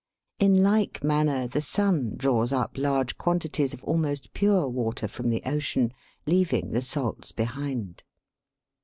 In like manner the sun draws up large quantities of almost pure water from the ocean, leaving the salts behind.